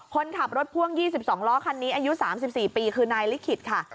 คนขับรถพ่วง๒๒ล้อคันนี้อายุ๓๔ปีคือนายลิขิตค่ะ